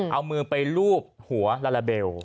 เอามือไปลูบหัวลาลาเบล